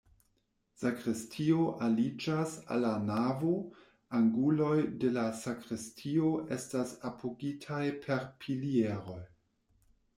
Sakristio aliĝas al la navo, anguloj de la sakristio estas apogitaj per pilieroj.